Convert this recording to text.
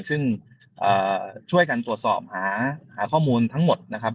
ซึ่งช่วยกันตรวจสอบหาข้อมูลทั้งหมดนะครับ